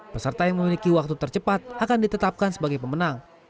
peserta yang memiliki waktu tercepat akan ditetapkan sebagai pemenang